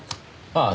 ああ